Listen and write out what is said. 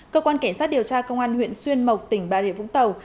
cơ quan cảnh sát điều tra công an huyện xuyên mộc tỉnh bà rịa vũng tàu